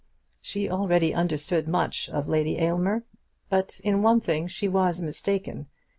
She already understood much of Lady Aylmer, but in one thing she was mistaken.